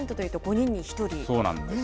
そうなんです。